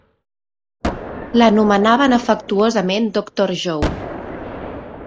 L'anomenaven afectuosament Doctor Joe.